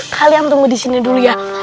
kalian tunggu disini dulu ya